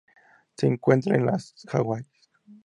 Se encuentra en las Hawái.